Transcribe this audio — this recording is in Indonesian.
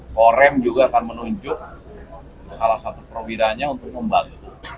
korem juga akan menunjuk salah satu prowiranya untuk membantu